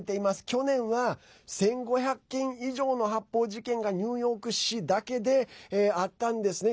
去年は、１５００件以上の発砲事件がニューヨーク市だけであったんですね。